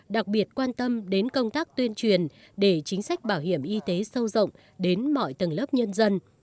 đặc biệt quan tâm đến công tác tuyên truyền để chính sách bảo hiểm y tế sâu rộng đến mọi tầng lớp nhân dân